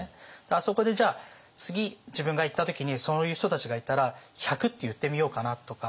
あそこでじゃあ次自分が行った時にそういう人たちがいたら１００って言ってみようかなとか。